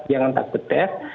jangan takut tes